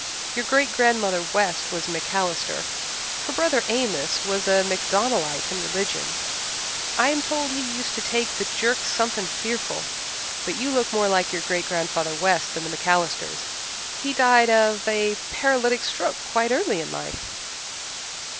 Your great grandmother West was a MacAllister. Her brother Amos was a MacDonaldite in religion. I am told he used to take the jerks something fearful. But you look more like your great grandfather West than the MacAllisters. He died of a paralytic stroke quite early in life."